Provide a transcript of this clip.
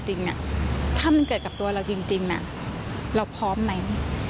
จริงถ้ามันเกิดกับตัวเราจริงเราพร้อมไหม